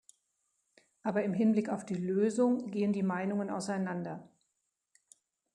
Aber im Hinblick auf die Lösung gehen die Meinungen auseinander.